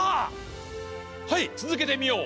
はい続けてみよう。